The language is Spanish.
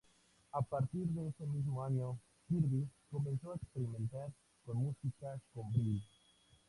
A partir de ese mismo año, Kirby comenzó a experimentar con música con Brill.